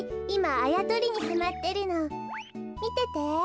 みてて。